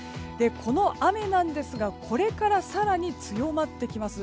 この雨なんですがこれから更に強まってきます。